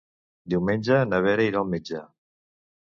Diumenge na Vera irà al metge.